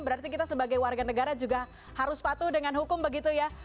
berarti kita sebagai warga negara juga harus patuh dengan hukum begitu ya